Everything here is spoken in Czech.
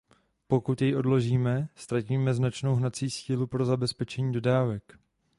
Pokud jej odložíme, ztratíme značnou hnací sílu pro zabezpečení dodávek.